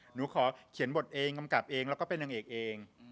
หนูขอเขียนบทเองกำกับเองแล้วก็เป็นนางเอกเอง